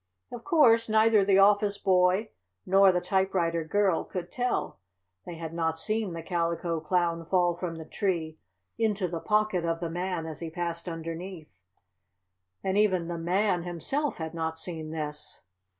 Of course neither the office boy nor the typewriter girl could tell. They had not seen the Calico Clown fall from the tree into the pocket of the Man as he passed underneath. And even the Man himself had not seen this.